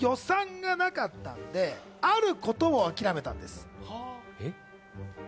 予算がなかったのであることを諦めたんです。